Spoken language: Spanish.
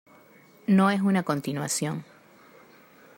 No es una continuación.